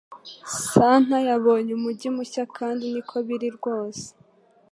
Santa yabonye umujyi mushya kandi niko biri rwose